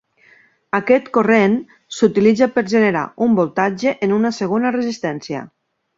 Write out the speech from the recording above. Aquest corrent s'utilitza per generar un voltatge en una segona resistència.